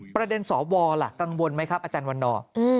ประเด็นสอบวอลล่ะกังวลไหมครับอาจารย์วันนอร์